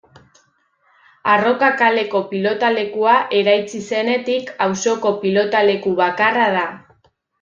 Arroka kaleko pilotalekua eraitsi zenetik, auzoko pilotaleku bakarra da.